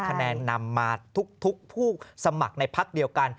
คะแนนนำมาทุกผู้สมัครในพักเดียวกัน